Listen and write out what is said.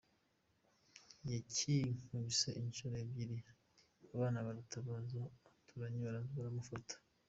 Yakinkubise inshuro ebyiri, abana baratabaza abaturanyi baraza baramufata”.